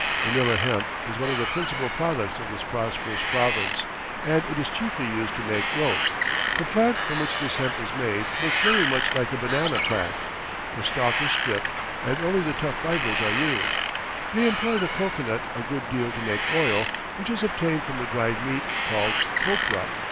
Manila hemp is one of the principal products of this prosperous province, and it is chiefly used to make rope. The plant from which this hemp is made looks very much like a banana plant. The stalk is stripped and only the tough fibers are used. They employ the cocoanut a good deal to make oil, which is obtained from the dried meat, called copra.